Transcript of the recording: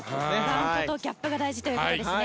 ラウンドとギャップが大事ということですね。